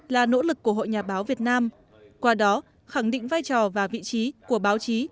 là nỗ lực của hội nhà báo việt nam qua đó khẳng định vai trò và vị trí của báo chí